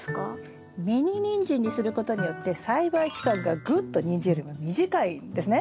ミニニンジンにすることによって栽培期間がぐっとニンジンよりも短いんですね。